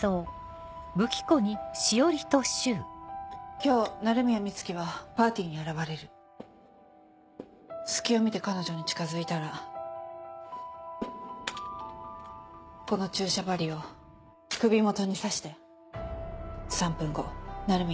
今日鳴宮美月はパーティ隙を見て彼女に近づいたらこの注射針を首元に刺して３分後鳴宮